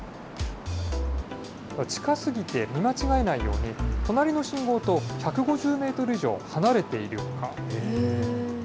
近すぎて見間違えないように、隣の信号と１５０メートル以上離れているか。